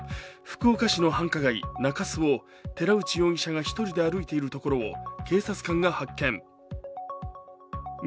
福岡市の繁華街・中洲を寺内容疑者が１人で歩いているところを警察官が発見。